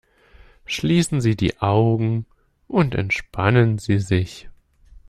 Schließen Sie die Augen und entspannen Sie sich!